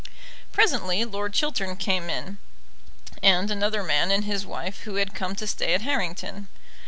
Presently Lord Chiltern came in, and another man and his wife who had come to stay at Harrington.